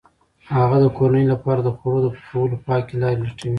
هغه د کورنۍ لپاره د خوړو د پخولو پاکې لارې لټوي.